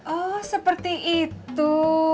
oh seperti itu